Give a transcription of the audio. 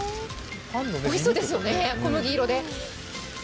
おいしそうですよね、小麦色で。